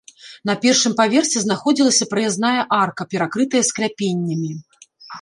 На першым паверсе знаходзілася праязная арка, перакрытая скляпеннямі.